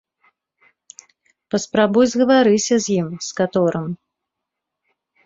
Паспрабуй, згаварыся з ім, з каторым.